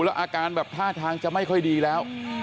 แล้วอาการแบบท่าทางจะไม่ค่อยดีแล้ว